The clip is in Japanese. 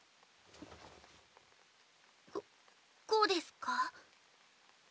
ここうですか？